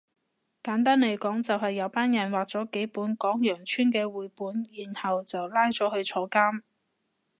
簡單嚟講就係有班人畫咗幾本講羊村嘅繪本然後就拉咗去坐監